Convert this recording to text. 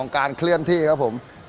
gerakan bergerak adalah bergerak